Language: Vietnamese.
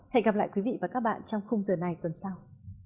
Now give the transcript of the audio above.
hẹn gặp lại quý vị và các bạn trong khung giờ này tuần sau